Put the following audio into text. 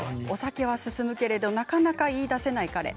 お酒は進むけれどなかなか言いだせない彼。